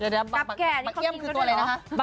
เดี๋ยวบักแก่บักเอียนคือตัวอะไรนะคะ